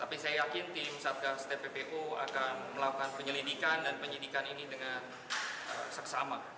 tapi saya yakin tim satgas tppu akan melakukan penyelidikan dan penyidikan ini dengan seksama